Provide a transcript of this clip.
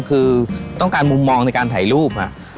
คือต้องการมุมมองในการถ่ายรูป